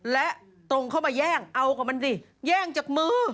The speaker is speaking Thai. และตรงเข้ามาแย่งเอากับมันสิแย่งจากมือ